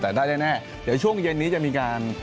แต่ได้แน่เดี๋ยวช่วงเย็นนี้จะมีการ